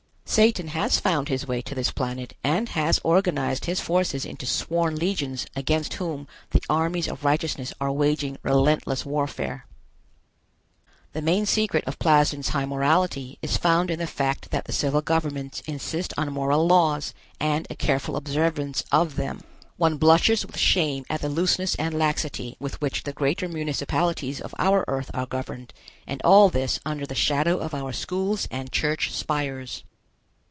Satan has found his way to this planet and has organized his forces into sworn legions against whom the armies of righteousness are waging relentless warfare. The main secret of Plasden's high morality is found in the fact that the civil governments insist on moral laws and a careful observance of them. One blushes with shame at the looseness and laxity with which the greater municipalities of our Earth are governed, and all this under the shadow of our schools and church spires.